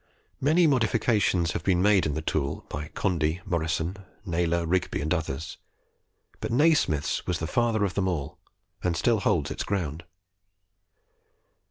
Many modifications have been made in the tool, by Condie, Morrison, Naylor, Rigby, and others; but Nasmyth's was the father of them all, and still holds its ground.